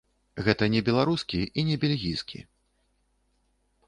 Гэта не беларускі і не бельгійкі.